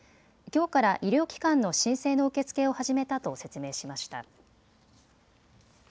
きょうから医療機関の申請の受け付けを始めたと説明しました。